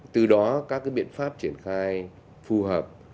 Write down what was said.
từ đó các biện pháp triển khai phù hợp